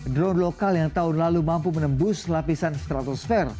drone lokal yang tahun lalu mampu menembus lapisan stratosfer